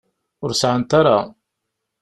Ur sεant ara.